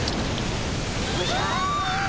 うわ！